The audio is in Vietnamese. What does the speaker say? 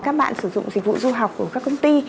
các bạn sử dụng dịch vụ du học của các công ty